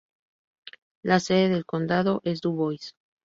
La sede del condado es Dubois.